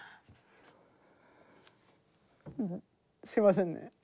すいませんね。